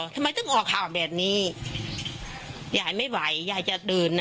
ทำไมต้องออกข่าวแบบนี้ยายไม่ไหวยายจะเดินนะ